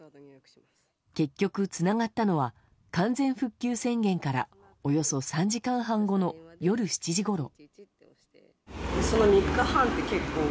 結局、つながったのは完全復旧宣言からおよそ３時間半後の夜７時ごろ。